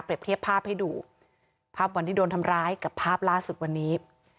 เทียบภาพให้ดูภาพวันที่โดนทำร้ายกับภาพล่าสุดวันนี้